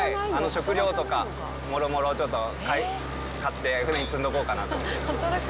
食料とかもろもろちょっと買って、船に積んどこうかなと。